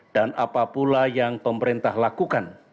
dan apa pula yang pemerintah lakukan